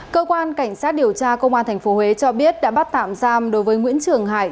cơ quan cảnh sát điều tra công an tp huế cho biết đã bắt tạm giam đối với nguyễn trường hải